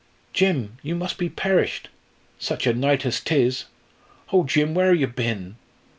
"Jim, you must be perished such a night as 't is. Oh, Jim where ha' you bin?"